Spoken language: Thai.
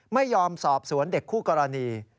ไม่ยอมสอบสวนเด็กคู่กรณี